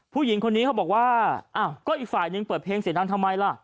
ผู้หญิงคนนี้เขาบอกว่าอ้าวก็อีกฝ่ายนึงเปิดเพลงเสียงดังทำไมล่ะ